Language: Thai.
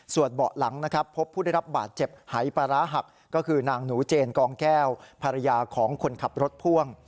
ส่วนเบาะหลังนะครับพบผู้ได้รับบาดเจ็บหายปลาร้าหักก็คือนางหนูเจนกองแก้วภรรยาของคนขับรถพ่วง